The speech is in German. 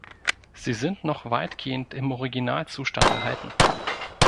Sie sind noch weitgehend im Originalzustand erhalten.